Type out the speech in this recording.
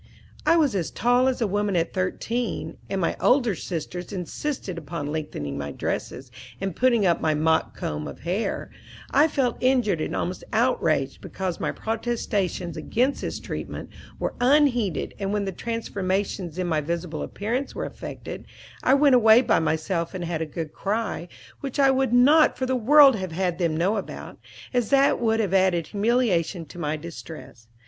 I was as tall as a woman at thirteen, and my older sisters insisted upon lengthening my dresses, and putting up my mop of hair with a comb. I felt injured and almost outraged because my protestations against this treatment were unheeded and when the transformation in my visible appearance was effected, I went away by myself and had a good cry, which I would not for the world have had them know about, as that would have added humiliation to my distress.